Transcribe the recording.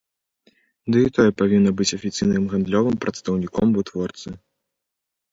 Ды і тое павінна быць афіцыйным гандлёвым прадстаўніком вытворцы.